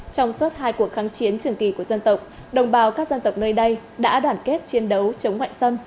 trong suốt hai cuộc kháng chiến trường kỳ của dân tộc đồng bào các dân tộc nơi đây đã đoàn kết chiến đấu chống ngoại xâm